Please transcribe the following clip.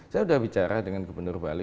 saya sudah bicara dengan gubernur bali